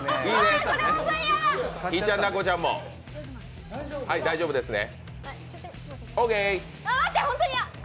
ひぃちゃん、奈子ちゃんも大丈夫ですね。